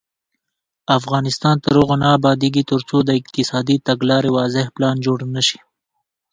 افغانستان تر هغو نه ابادیږي، ترڅو د اقتصادي تګلارې واضح پلان جوړ نشي.